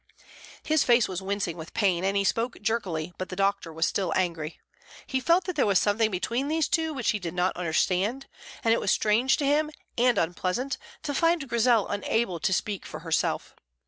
His face was wincing with pain, and he spoke jerkily; but the doctor was still angry. He felt that there was something between these two which he did not understand, and it was strange to him, and unpleasant, to find Grizel unable to speak for herself.